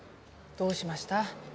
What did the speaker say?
どうしました？